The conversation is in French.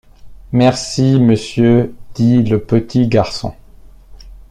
Merci, monsieur, dit le petit garçon.